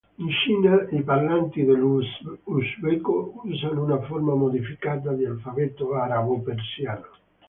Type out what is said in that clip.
In Cina, i parlanti dell'usbeco usano una forma modificata di alfabeto arabo-persiano.